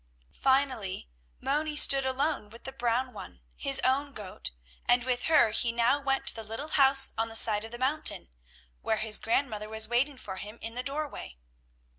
Finally Moni stood alone with the brown one, his own goat, and with her he now went to the little house on the side of the mountain, where his grandmother was waiting for him, in the doorway.